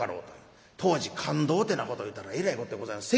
当時勘当ってなこというたらえらいこってございます。